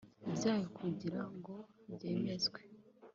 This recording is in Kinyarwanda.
byayo kugira ngo byemezwe